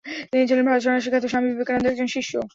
তিনি ছিলেন ভারত সন্ন্যাসী খ্যাত স্বামী বিবেকানন্দের একজন শিষ্য।